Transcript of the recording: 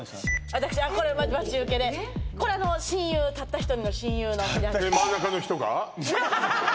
私あっこれ待ち受けでこれ親友たった１人の親友の真ん中の人が？